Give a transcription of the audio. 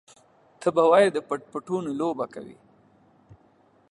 ته به وايې د پټ پټوني لوبه کوي.